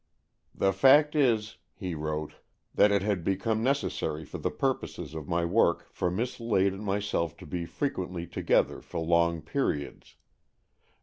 " The fact is," he wrote, " that it had be come necessary for the purposes of my work for Miss Lade and myself to be frequently together for long periods.